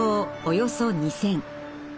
およそ２，０００。